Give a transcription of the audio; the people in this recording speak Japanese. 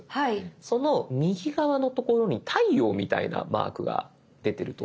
その右側の所に太陽みたいなマークが出てると思います。